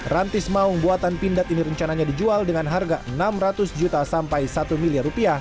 rantis maung buatan pindad ini rencananya dijual dengan harga rp enam ratus juta sampai rp satu miliar